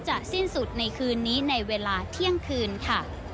สิ้นสุดในคืนนี้ในเวลาเที่ยงคืนค่ะ